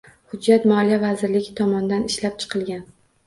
Hujjat Moliya vazirligi tomonidan ishlab chiqilgan.